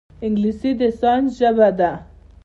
انګلیسي د ساینس ژبه ده